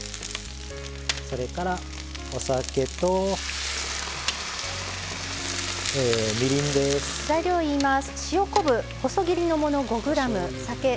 それから、お酒と、みりんです。